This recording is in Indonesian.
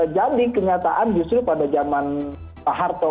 jadi kenyataan justru pada zaman pak harto